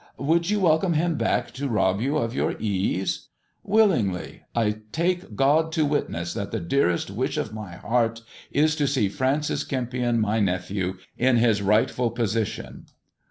" Would you welcome him back to rob you of your easel" " Willingly ! I take God to witness that the dearest wish of my heart is to see Francis Kempion, my nephew, in his rightful position."